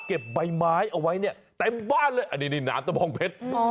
เก็บใบไม้เอาไว้เนี่ยแต่บ้านเลยอันนี้หนามตะบองเพชร